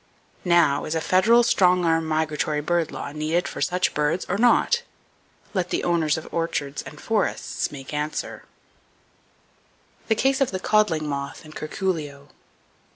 Now, is a federal strong arm migratory bird law needed for such birds or not? Let the owners of orchards and forests make answer. DOWNY WOODPECKER The Case Of The Codling Moth And Curculio.